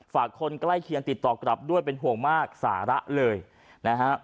ฝากคนใกล้เคียงติดต่อกลับด้วยเป็นห่วงมากสาระเลยนะฮะ